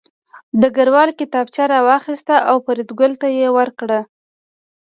ډګروال کتابچه راواخیسته او فریدګل ته یې ورکړه